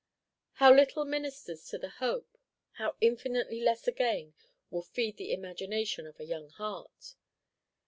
How little ministers to the hope; how infinitely less again will feed the imagination of a young heart!